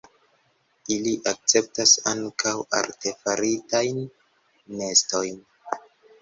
Ili akceptas ankaŭ artefaritajn nestojn.